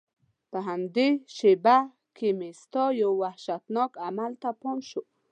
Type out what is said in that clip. په همدې شېبه کې مې ستا یو وحشتناک عمل ته پام شو.